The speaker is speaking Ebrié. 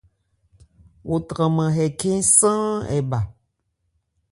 Wo tranman hɛ khɛ́n sáán ɛ bha.